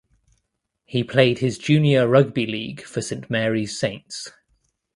He played his junior rugby league for St Marys Saints.